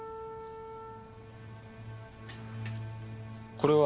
これは？